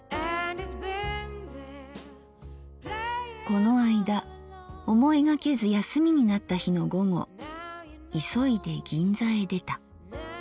「このあいだ思いがけず休みになった日の午後いそいで銀座へ出た。